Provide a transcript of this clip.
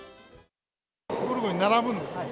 ゴルゴに並ぶんですね。